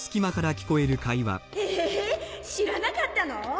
えっ知らなかったのぉ！？